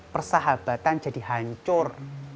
persahabatan jadi hancur